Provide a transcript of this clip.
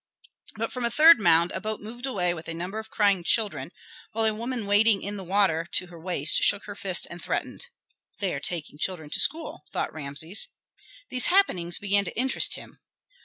But from a third mound a boat moved away with a number of crying children, while a woman wading in the water to her waist shook her fist and threatened. "They are taking children to school," thought Rameses. These happenings began to interest him.